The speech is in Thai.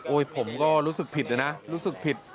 ผมก็รู้สึกผิดเลยนะรู้สึกผิด